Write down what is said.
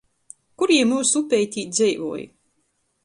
Kur jī myusu upeitē dzeivoj?